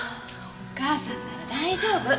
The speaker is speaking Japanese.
お母さんなら大丈夫。